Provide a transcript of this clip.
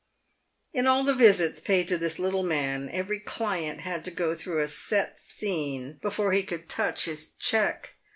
In all the visits paid to this little man, every client had to go through a set scene before he could touch his cheque.